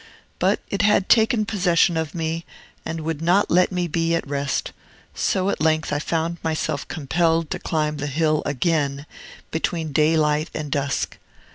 But it had taken possession of me, and would not let me be at rest; so at length I found myself compelled to climb the hill again, between daylight and dusk.